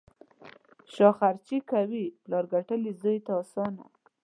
شا خرڅي کوي: پلار ګټلي، زوی ته اسانه.